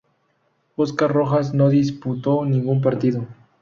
Óscar Rojas no disputó ningún partido.